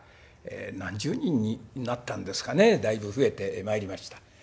何十人になったんですかねだいぶ増えてまいりました。